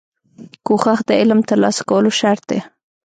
کوښښ د علم ترلاسه کولو شرط دی.